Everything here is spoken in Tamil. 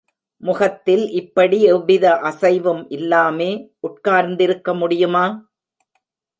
முகத்தில் இப்படி எவ்வித அசைவும் இல்லாமே உட்கார்ந்திருக்க முடியுமா?